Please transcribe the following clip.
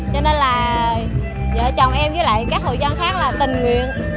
cho nên là vợ chồng em với lại các hội dân khác là tình nguyện